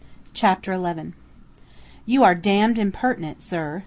CHAPTER ELEVEN "You are damned impertinent, sir!"